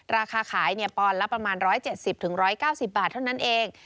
ราคาขายปอนด์ละประมาณ๑๗๐๑๙๐บาทเท่านั้นเอง